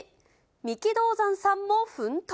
三木道三さんも奮闘。